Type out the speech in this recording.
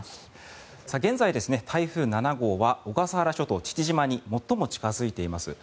現在、台風７号は小笠原諸島・父島に最も近付いています。